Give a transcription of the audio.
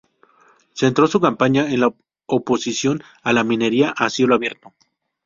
Centró su campaña en la oposición a la minería a cielo abierto.